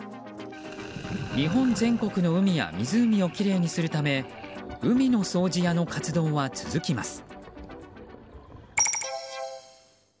日本全国の海や湖をきれいにするため海の掃除屋の活動は続きます。